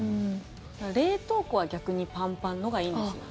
冷凍庫は逆にパンパンのほうがいいんですよね。